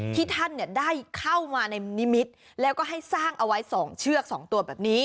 ที่ท่านได้เข้ามาในนิมิตรแล้วก็ให้สร้างเอาไว้๒เชือก๒ตัวแบบนี้